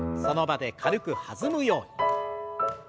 その場で軽く弾むように。